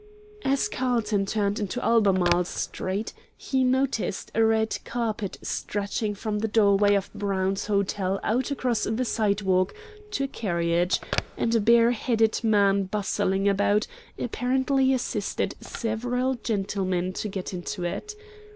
As Carlton turned into Albemarle Street he noticed a red carpet stretching from the doorway of Brown's Hotel out across the sidewalk to a carriage, and a bareheaded man bustling about apparently assisting several gentlemen to get into it.